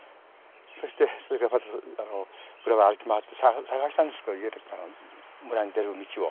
そしてそれがまず歩き回って探したんですけど村に出る道を。